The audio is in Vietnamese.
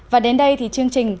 và đến đây thì chương trình